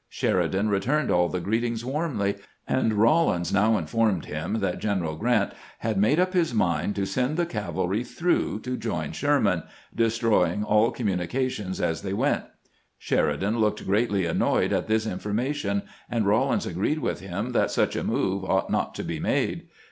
Sheridan returned aU the greetings warmly, and Eawlins now informed him that Greneral Grant had made up his mind to send the cavalry through to join Sherman, destroying all communications as they went. Sheridan looked greatly annoyed at this in formation, and Eawlins agreed with him that such a move ought not to be made.